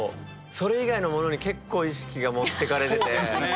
それ以外のものに結構意識が持ってかれてて。